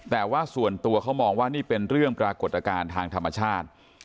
แต่ว่าส่วนตัวเขามองว่านี่เป็นเรื่องปรากฏการณ์ทางธรรมชาติ